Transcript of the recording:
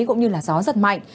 cũng như là gió giật mạnh